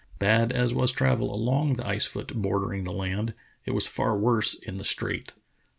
Bad as was travel along the ice foot bordering the land, it was far worse in the strait.